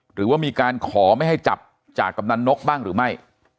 หรือว่ามีการขอไม่ให้จับจากกำนันนกบ้างหรือไม่